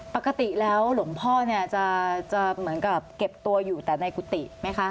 ปกติแล้วหลวงพ่อเนี่ยจะเหมือนกับเก็บตัวอยู่แต่ในกุฏิไหมคะ